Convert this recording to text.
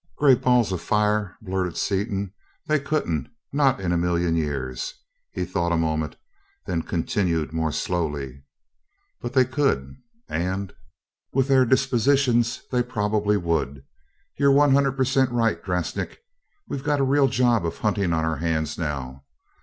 "Great balls of fire!" blurted Seaton. "They couldn't not in a million years!" He thought a moment, then continued more slowly: "But they could and, with their dispositions, they probably would. You're one hundred per cent. right, Drasnik. We've got a real job of hunting on our hands now.